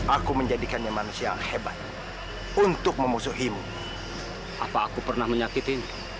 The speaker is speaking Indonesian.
aku menjadikannya manusia hebat untuk memusuhimu apa aku pernah menyakitimu